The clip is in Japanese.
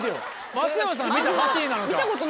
松山さん見た走りなのか。